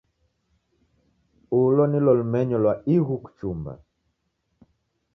Ulo nilo lumenyo lwa ighu kuchumba.